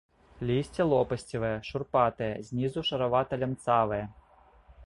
Лісце лопасцевае, шурпатае, знізу шаравата-лямцавае.